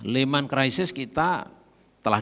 lehman crisis kita telah